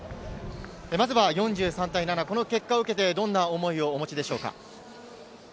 まずは４３対７、この結果を受けて、どんな思いをお持ちでしょうか。